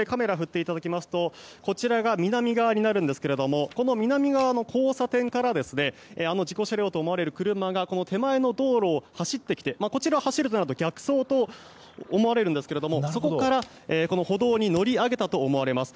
そしてこちらが南側になるんですがあの南側の交差点からあの事故車両と思われる車が手前の道路を走ってきてこちらを走るとなると逆走と思われるんですけれどもそこから歩道に乗り上げたと思われます。